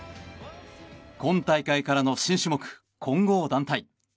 今大会からの新種目混合団体。